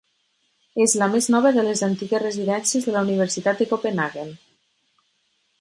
És la més nova de les antigues residències de la Universitat de Copenhaguen.